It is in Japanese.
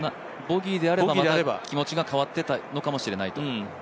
ボギーであれば、気持ちが変わってたのかもしれないと。